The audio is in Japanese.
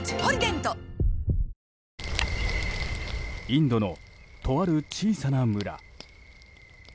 インドの、とある小さな村。